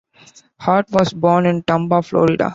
Hart was born in Tampa, Florida.